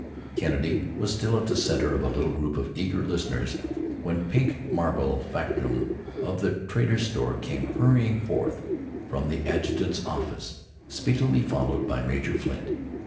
Kennedy was still the center of a little group of eager listeners when Pink Marble, factotum of the trader's store, came hurrying forth from the adjutant's office, speedily followed by Major Flint.